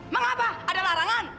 mengapa ada larangan